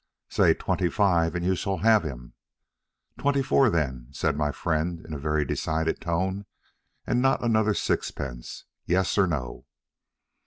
"Say twenty five, and you shall have him." "Twenty four then," said my friend, in a very decided tone, "and not another sixpence yes, or no?"